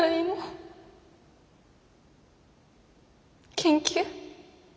研究？